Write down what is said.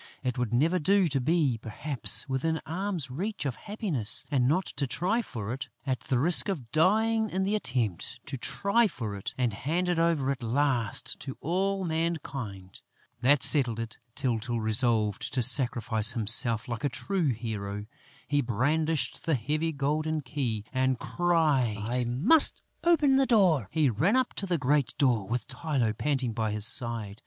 It would never do to be, perhaps, within arm's length of happiness and not to try for it, at the risk of dying in the attempt, to try for it and hand it over at last to all mankind! That settled it! Tyltyl resolved to sacrifice himself. Like a true hero, he brandished the heavy golden key and cried: "I must open the door!" He ran up to the great door, with Tylô panting by his side.